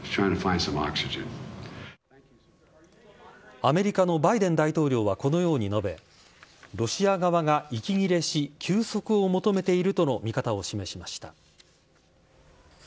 アメリカのバイデン大統領はこのように述べロシア側が息切れし休息を求めているとの見方を示しました。